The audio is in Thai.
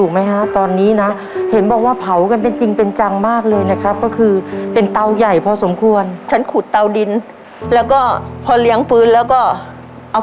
ครับครับครับครับครับครับครับครับครับครับครับครับครับครับ